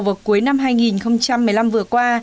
vào cuối năm hai nghìn một mươi năm vừa qua